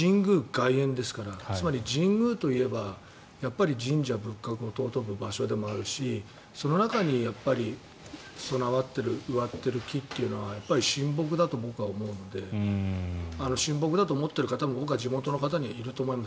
外苑ですからつまり、神宮といえばやっぱり神社仏閣を尊ぶ場所でもあるしその中に備わっている植わっている木というのは神木だと僕は思うので神木だと思っている方も僕は地元の方にいると思います。